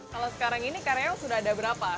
kalau sekarang ini karyawan sudah ada berapa